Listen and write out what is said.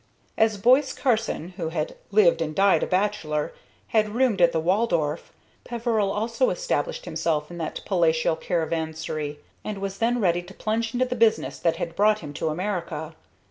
As Boise Carson, who had lived and died a bachelor, had roomed at the Waldorf, Peveril also established himself in that palatial caravansary, and was then ready to plunge into the business that had brought him to America.